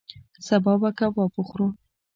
سبا به کباب وخورو